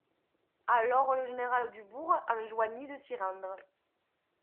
Alors le général Dubourg enjoignit de s'y rendre.